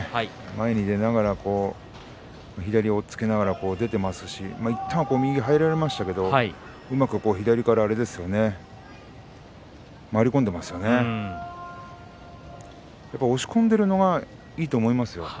前に出ながら押っつけながら出ていますし、いったん右に入られましたけど、うまく左からあれですよね回り込んでますよね。